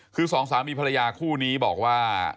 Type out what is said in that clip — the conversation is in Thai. คือสองสามีภรรยาคู่นี้บอกว่า